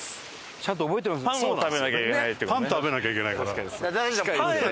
パン食べなきゃいけないから。